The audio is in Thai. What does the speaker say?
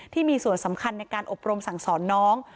ที่มีส่วนสำคัญในการอบรมสั่งสอนน้อง